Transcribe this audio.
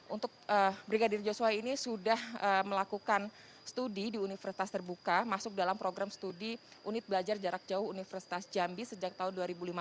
untuk brigadir joshua ini sudah melakukan studi di universitas terbuka masuk dalam program studi unit belajar jarak jauh universitas jambi sejak tahun dua ribu lima belas